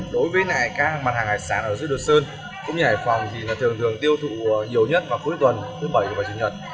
đối với các mặt hàng hải sản ở dưới đồ sơn cũng như hải phòng thì thường thường tiêu thụ nhiều nhất vào cuối tuần thứ bảy và chính nhật